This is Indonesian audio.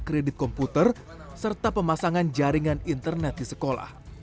untuk menghidupi komputer serta pemasangan jaringan internet di sekolah